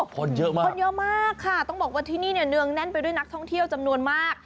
คนเยอะมากคนเยอะมากค่ะต้องบอกว่าที่นี่เนี่ยเนืองแน่นไปด้วยนักท่องเที่ยวจำนวนมาก